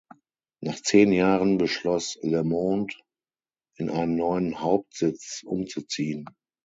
Nach zehn Jahren beschloss "Le Monde", in einen neuen Hauptsitz umzuziehen.